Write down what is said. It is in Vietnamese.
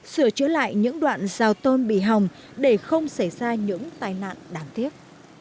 sửa chữa lại những đoạn rào tôn bị hỏng để không xảy ra những tai nạn đáng tiếc